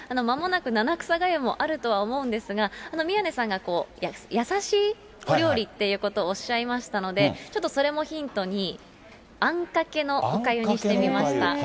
まもなく七草がゆもあるとは思うんですが、宮根さんが、優しいお料理っていうことをおっしゃいましたので、ちょっとそれもヒントに、あんかけのおかゆにしてみました。